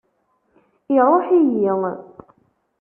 Iṛuḥ-iyi.